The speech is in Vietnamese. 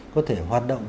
có thể hoạt động